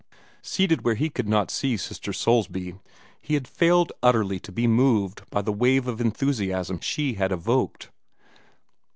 Seated where he could not see Sister Soulsby, he had failed utterly to be moved by the wave of enthusiasm she had evoked.